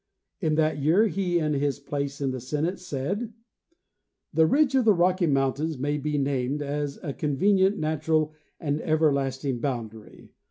In that year he, in his place in the Senate, said: Early Misconceptions 255 "The ridge of the Rocky mountains may be named as a convenient, natural and everlasting boundary.